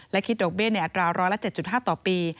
และคิดดอกเบี้ยในอัตรา๑๐๗๕ต่อปี